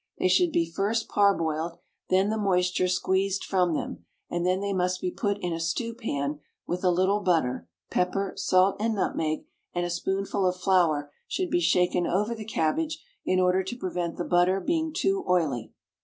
They should be first parboiled, then the moisture squeezed from them, and then they must be put in a stew pan with a little butter, pepper, salt and nutmeg, and a spoonful of flour should be shaken over the cabbage in order to prevent the butter being too oily.